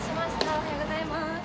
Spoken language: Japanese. おはようございます。